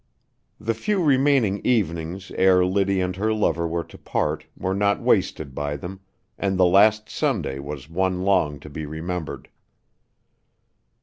The few remaining evenings ere Liddy and her lover were to part were not wasted by them, and the last Sunday was one long to be remembered.